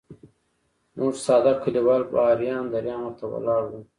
موږ ساده کلیوال به اریان دریان ورته ولاړ وو.